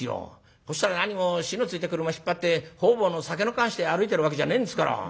そしたらなにも火のついた車引っ張って方々の酒の燗して歩いてるわけじゃねえんですから。